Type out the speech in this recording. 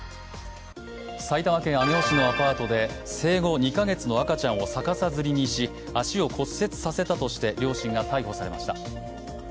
埼玉県上尾市のアパートで生後２か月の赤ちゃんを逆さづりにし足を骨折させたとして両親が逮捕されました。